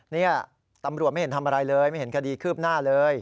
นี่ตำรวจไม่เห็นทำอะไรเลยไม่เห็นคดีคืบหน้าเลย